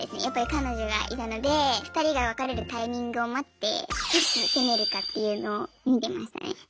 やっぱり彼女がいたので２人が別れるタイミングを待っていつ攻めるかっていうのを見てましたね。